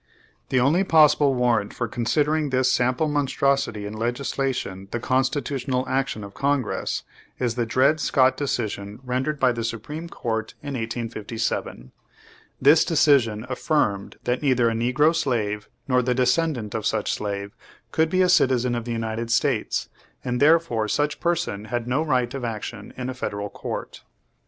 The only possible warrant for considering this sample monstrosity in legislation the "constitu tional action of Congress," is the Dred Scott decision rendered by the Supreme Court in 1857. This decision affirmed that neither a negro slave, nor the descendant of such slave, could be a citi zen of the United States, and therefore such per son had no right of action in a Federal Court.